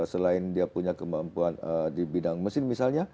selain dia punya kemampuan